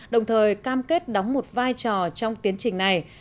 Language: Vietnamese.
đồng thời cam kết đóng một vai trò trong tiến trình này